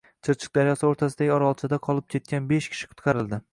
Chirchiq daryosi o‘rtasidagi orolchada qolib ketgan besh kishi qutqarildi